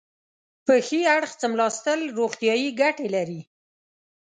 په ښي اړخ څملاستل روغتیایي ګټې لري.